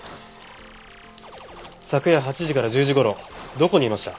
昨夜８時から１０時頃どこにいました？